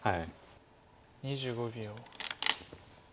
２５秒。